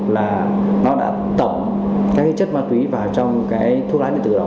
là nó đã tổng cái chất ma túy vào trong cái thuốc lá thị tử đó